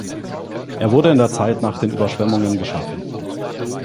Er wurde in der Zeit nach den Überschwemmungen geschaffen.